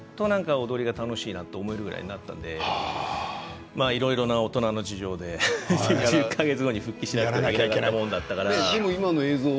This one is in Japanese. ２年ぐらいしてやっと踊りが楽しいなと思えるぐらいになったのでいろいろな大人の事情で１０か月後に復帰しなければいけないものだったから。